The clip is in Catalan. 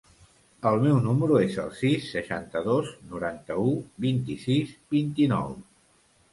El meu número es el sis, seixanta-dos, noranta-u, vint-i-sis, vint-i-nou.